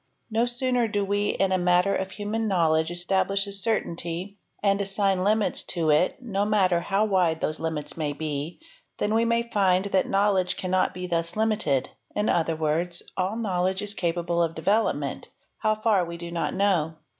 No sooner do we in a matter of human knowledge establish a certainty and assign limits to it, no matter how wide thos limits may be, than we find that knowledge cannot be thus limited; i other words, all knowledge is capable of development—how far w do not know.